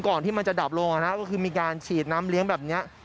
ที่มันจะดับลงก็คือมีการฉีดน้ำเลี้ยงแบบนี้